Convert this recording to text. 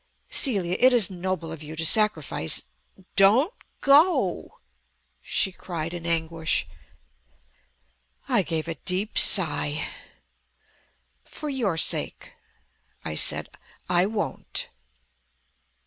Celia it is noble of you to sacrifice " "Don't go!" she cried in anguish. I gave a deep sigh. "For your sake," I said, "I won't."